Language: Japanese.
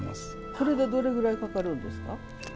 これがどれぐらいかかるんですか？